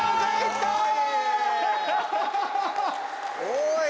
おい！